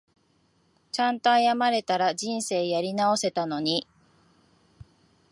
ちゃんと謝れたら人生やり直せたのに